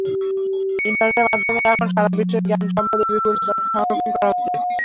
ইন্টারনেটের মাধ্যমে এখন সারা বিশ্বের জ্ঞান সম্পদের বিপুল তথ্য সংরক্ষণ করা হচ্ছে।